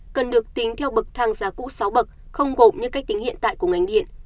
cần được tính theo bậc thang giá cũ sáu bậc không gồm như cách tính hiện tại của ngành điện